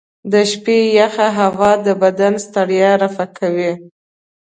د شپې یخه هوا د بدن ستړیا رفع کوي.